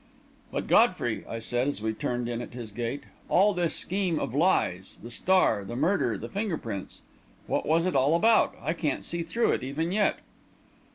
"But, Godfrey," I said, as we turned in at his gate, "all this scheme of lies the star, the murder, the finger prints what was it all about? I can't see through it, even yet."